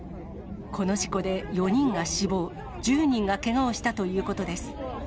この事故で４人が死亡、１０人がけがをしたということです。